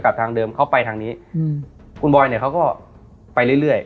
ทางเดิมเขาไปทางนี้อืมคุณบอยเนี่ยเขาก็ไปเรื่อยเรื่อย